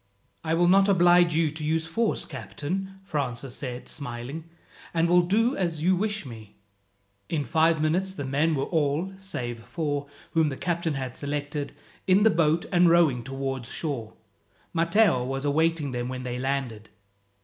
"I will not oblige you to use force, captain," Francis said, smiling, "and will do as you wish me." In five minutes the men were all save four, whom the captain had selected in the boat, and rowing towards shore. Matteo was awaiting them when they landed.